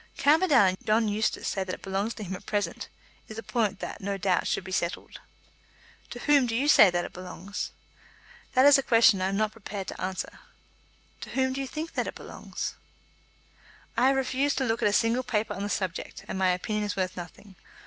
"Camperdown and John Eustace say that it belongs to him at present. It is a point that, no doubt, should be settled." "To whom do you say that it belongs?" "That is a question I am not prepared to answer." "To whom do you think that it belongs?" "I have refused to look at a single paper on the subject, and my opinion is worth nothing.